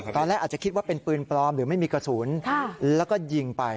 ตอนแรกอาจจะคิดว่าเป็นปืนปลอมหรือไม่มีกระสุนแล้วก็ยิงไป